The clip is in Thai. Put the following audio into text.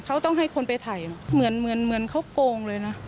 เขาต้องให้คนไปถ่ายเหมือนเหมือนเขาโกงเลยนะ